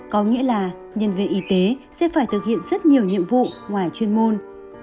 có nghĩa là nhân viên y tế sẽ phải thực hiện rất nhiều nhiệm vụ ngoài chuyên môn